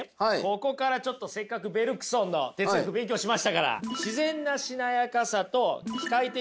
ここからちょっとせっかくベルクソンの哲学勉強しましたから。